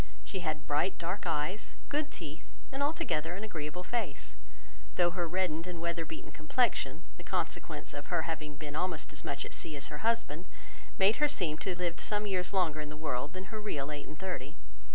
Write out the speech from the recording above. She had bright dark eyes, good teeth, and altogether an agreeable face; though her reddened and weather beaten complexion, the consequence of her having been almost as much at sea as her husband, made her seem to have lived some years longer in the world than her real eight and thirty.